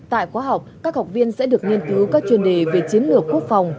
tại khóa học các học viên sẽ được nghiên cứu các chuyên đề về chiến lược quốc phòng